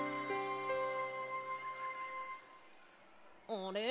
あれ？